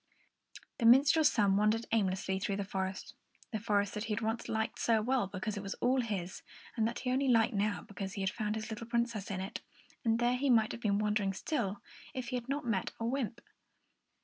The minstrel's son wandered aimlessly through the forest, the forest that he had once liked so well because it was all his, and that he only liked now because he had found his little Princess in it; and there he might have been wandering still, if he had not suddenly met a wymp.